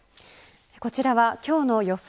こちらは今日の予想